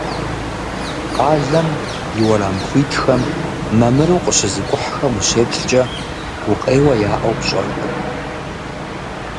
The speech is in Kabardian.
Къалэм и уэрам хуитхэм мамыру къыщызыкӏухьэм ущеплъкӏэ, гукъеуэ яӏэу пщӏэркъым.